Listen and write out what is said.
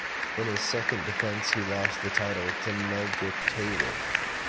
In his second defense, he lost the title to Meldrick Taylor.